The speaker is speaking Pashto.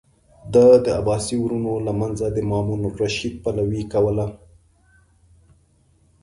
ده د عباسي ورونو له منځه د مامون الرشید پلوي کوله.